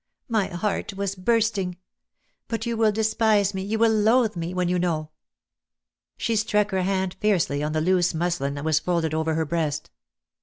My heart was bursting. But you \vill despise me — you will loathe me, when you know." She struck her hand fiercely on the loose muslin that was folded over her breast.